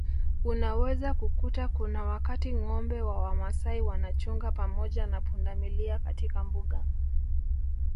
Unaweza kukuta kuna wakati ngombe wa Wamasai wanachunga pamoja na pundamilia katika Mbuga